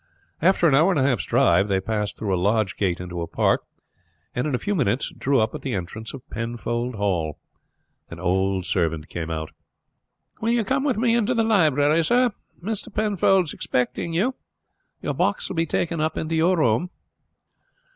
After an hour and a half's drive they passed through a lodge gate into a park, and in a few minutes drew up at the entrance to Penfold Hall. An old servant came out. "Will you come with me into the library, sir? Mr. Penfold is expecting you. Your box will be taken up into your room."